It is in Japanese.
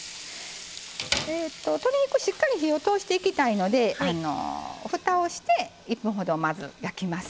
鶏肉しっかり火を通していきたいのでふたをして１分ほどまず焼きます。